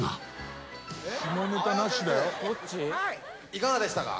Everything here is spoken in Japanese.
「いかがでしたか？